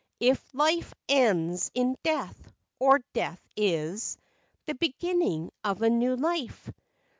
If life ends in death, or death is The beginning of a new life